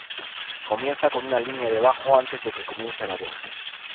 Comienza con una línea de bajo antes de que comience la voz.